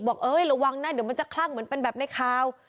เอ้ยระวังนะเดี๋ยวมันจะคลั่งเหมือนเป็นแบบในข่าว